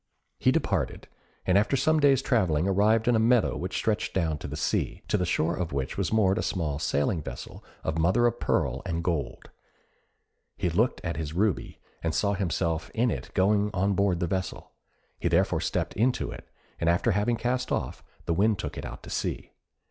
He departed, and after some days' travelling arrived in a meadow which stretched down to the sea, to the shore of which was moored a small sailing vessel of mother of pearl and gold. He looked at his ruby, and saw himself in it going on board the vessel. He therefore stepped into it, and after having cast off, the wind took it out to sea.